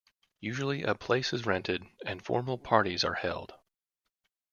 Usually a place is rented, and formal parties are held.